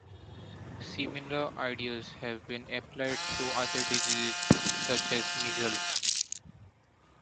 Similar ideas have been applied to other diseases such as measles.